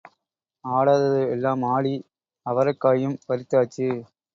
ஆடாதது எல்லாம் ஆடி அவரைக்காயும் பறித்தாச்சு.